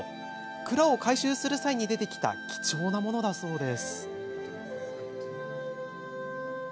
蔵を改修する際に出てきた貴重なものだそうです。